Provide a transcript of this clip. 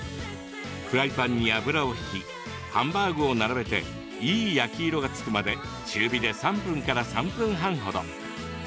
フライパンに油を引きハンバーグを並べていい焼き色がつくまで中火で３分から３分半ほど。